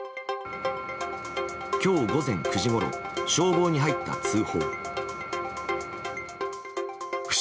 今日午前９時ごろ消防に入った通報。